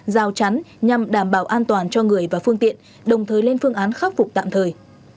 giao chắn nhằm đảm bảo an toàn cho người và phương tiện đồng thời lên phương án khắc phục tạm thời